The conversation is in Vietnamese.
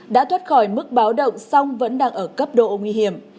đã thoát khỏi mức báo động song vẫn đang ở cấp độ nguy hiểm